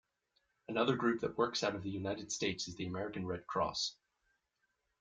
Another group that works out of the United States is the American Red Cross.